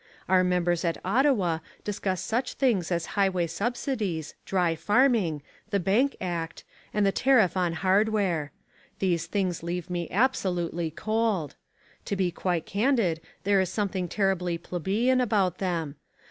Our members at Ottawa discuss such things as highway subsidies, dry farming, the Bank Act, and the tariff on hardware. These things leave me absolutely cold. To be quite candid there is something terribly plebeian about them.